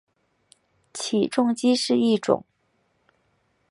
起重机是一种。